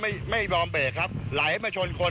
มีความรู้สึกว่ามีความรู้สึกว่า